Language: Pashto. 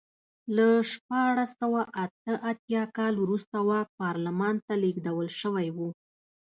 له شپاړس سوه اته اتیا کال وروسته واک پارلمان ته لېږدول شوی و.